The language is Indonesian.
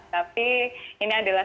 tapi ini adalah